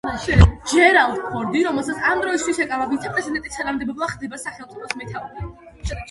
ჯერალდ ფორდი, რომელსაც ამ დროისათვის ეკავა ვიცე-პრეზიდენტის თანამდებობა, ხდება სახელმწიფოს მეთაური.